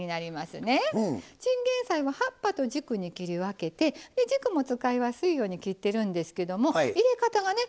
チンゲン菜は葉っぱと軸に切り分けて軸も使いやすいように切ってるんですけども入れ方がね